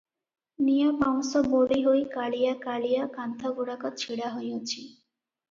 ନିଆଁ ପାଉଁଶ ବୋଳି ହୋଇ କାଳିଆ କାଳିଆ କାନ୍ଥଗୁଡ଼ାକ ଛିଡ଼ା ହୋଇଅଛି ।